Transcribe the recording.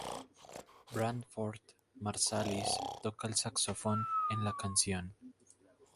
Branford Marsalis toca el saxofón en la canción.